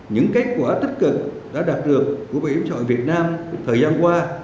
những kết quả tích cực đã đạt được của bảo hiểm xã hội việt nam thời gian qua